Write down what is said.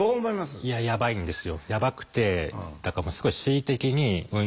いややばいんですよ。